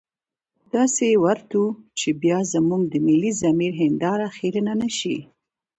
داسې يې ورټو چې بيا زموږ د ملي ضمير هنداره خيرنه نه شي.